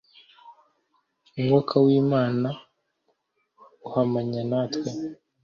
Umwuka w Imana uhamanya natwe